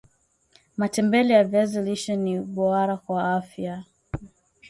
matembele ya viazi lishe ni boara kwa afya